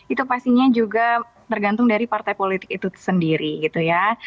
itu pastinya juga tergantung dari partai politik itu sendiri gitu ya